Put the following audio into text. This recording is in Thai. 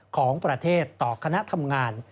ของประเทศต่อคณะทำงาน